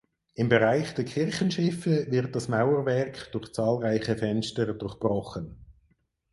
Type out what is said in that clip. Im Bereich der Kirchenschiffe wird das Mauerwerk durch zahlreiche Fenster durchbrochen.